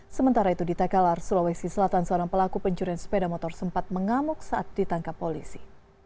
sementara itu di takalar sulawesi selatan seorang pelaku pencurian sepeda motor sempat mengamuk saat ditangkap polisi